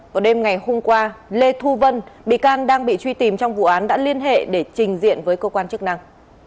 vào đêm ngày hôm qua lê thu vân bị can đang bị truy tìm trong vụ án đã liên hệ để trình diện với cơ quan chức năng